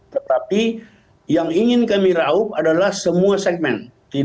tetapi yang ingin kami raup adalah semua segmen